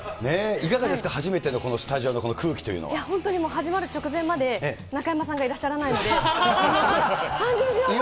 いかがですか、初めてのこの本当にもう始まる直前まで、中山さんがいらっしゃらないので、３０秒前。